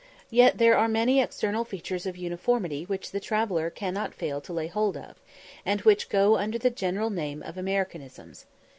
Yet there are many external features of uniformity which the traveller cannot fail to lay hold of, and which go under the general name of Americanisms.